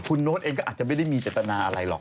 คุณโน๊ตเองก็อาจจะไม่ได้มีเจตนาอะไรหรอก